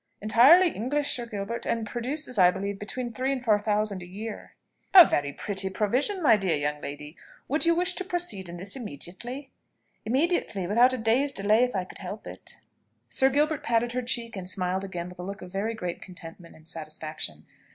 "Entirely English, Sir Gilbert; and produces, I believe, between three and four thousand a year." "A very pretty provision, my dear young lady. Would you wish to proceed in this immediately?" "Immediately, without a day's delay, if I could help it." Sir Gilbert patted her cheek, and smiled again with a look of very great contentment and satisfaction.